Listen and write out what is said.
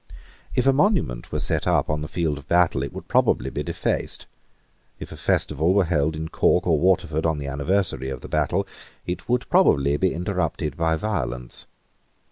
If a monument were set up on the field of battle, it would probably be defaced: if a festival were held in Cork or Waterford on the anniversary of the battle, it would probably be interrupted by violence.